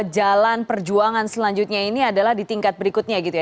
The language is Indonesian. jalan perjuangan selanjutnya ini adalah di tingkat berikutnya gitu ya